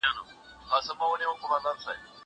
زه لوښي وچولي دي!